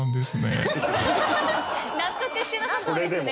納得していなさそうですね。